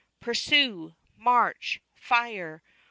"Pursue! March! Fire!